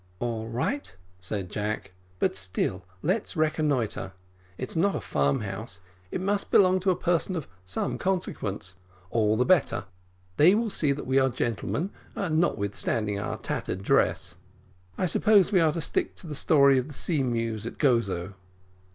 "All right," said Jack; "but still let us reconnoitre. It's not a farm house; it must belong to a person of some consequence all the better they will see that we are gentlemen, notwithstanding our tattered dress. I suppose we are to stick to the story of the sea mews at Gozo?"